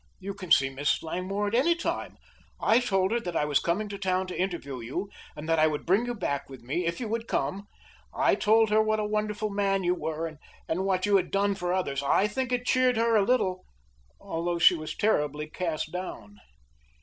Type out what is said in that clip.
"You can see Miss Langmore at any time. I told her that I was coming to town to interview you, and that I would bring you back with me, if you would come. I told her what a wonderful man you were and what you had done for others. I think it cheered her a little, although she was terribly cast down."